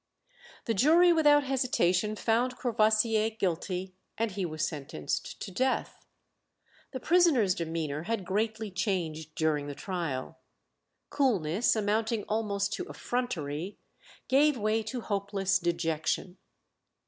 The jury without hesitation found Courvoisier guilty, and he was sentenced to death. The prisoner's demeanour had greatly changed during the trial. Coolness amounting almost to effrontery gave way to hopeless dejection.